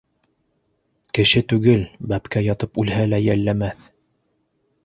Кеше түгел, бәпкә ятып үлһә лә йәлләмес...